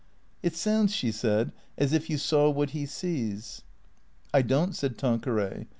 " It sounds," she said, " as if you saw what he sees." " I don't," said Tanqueray.